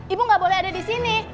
ibu gak boleh ada disini